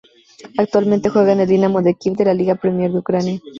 Actualmente juega en el Dinamo de Kiev de la Liga Premier de Ucrania.